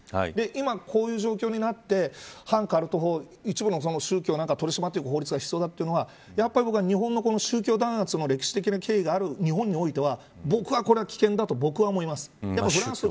今、こういう状況になって反カルト法一部の宗教を取り締まっていく法律が必要だというのは日本の宗教弾圧の歴史的な経緯がある日本においては僕は、これは危険だと思います。